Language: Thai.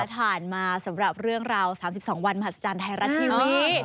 ผ่านมาสำหรับเรื่องราว๓๒วันมหัศจรรย์ไทยรัฐทีวี